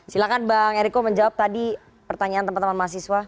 silahkan bang eriko menjawab tadi pertanyaan teman teman mahasiswa